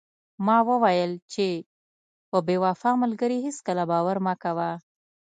هغه وویل چې په بې وفا ملګري هیڅکله باور مه کوه.